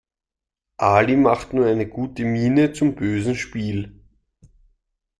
Ali macht nur eine gute Miene zum bösen Spiel.